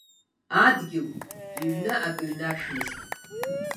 Адгьыл, иҩны акы ҩнаршәымызт.